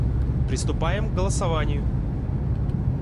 Приступаем к голосованию.